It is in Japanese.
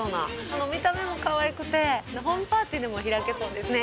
この見た目もかわいくてホームパーティーでも開けそうですね。